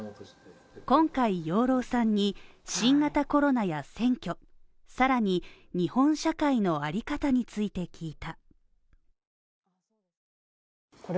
今回養老さんに新型コロナや選挙さらに日本社会のあり方について聞いた。